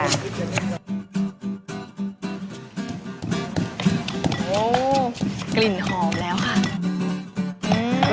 โอ้โหกลิ่นหอมแล้วค่ะ